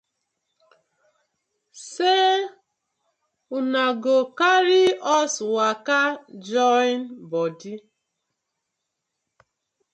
Sey una go karry us waka join bodi.